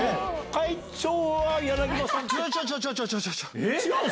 会長は柳葉さん？